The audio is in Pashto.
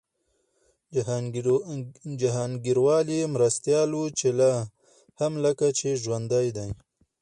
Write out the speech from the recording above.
جهانګیروال یې مرستیال و چي لا هم لکه چي ژوندی دی